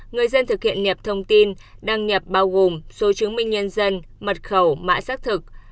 người dân thực hiện nhập thông tin đăng nhập bao gồm số chứng minh nhân dân mật khẩu mã xác thực